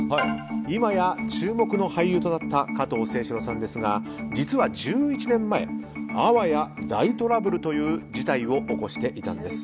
今や注目の俳優となった加藤清史郎さんですが実は１１年前あわや大トラブルという事態を起こしていたんです。